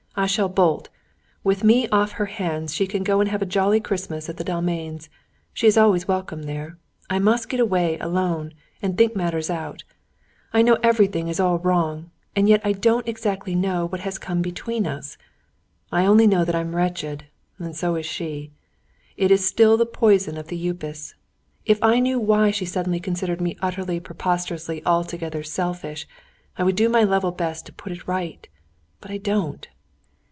"I shall bolt! With me off her hands, she can go and have a jolly Christmas at the Dalmains. She is always welcome there. I must get away alone and think matters out. I know everything is all wrong, and yet I don't exactly know what has come between us. I only know I am wretched, and so is she. It is still the poison of the Upas. If I knew why she suddenly considered me utterly, preposterously, altogether, selfish, I would do my level best to put it right. But I don't."